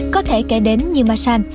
có thể kể đến như masan